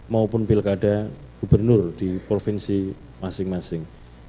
maupun pilkada gubernur di provinsi masing masing